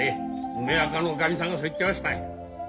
梅若のおかみさんがそう言ってましたよ。